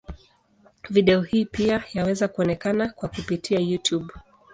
Video hii pia yaweza kuonekana kwa kupitia Youtube.